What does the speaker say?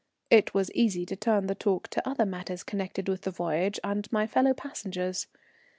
It was easy to turn the talk to other matters connected with the voyage and my fellow passengers.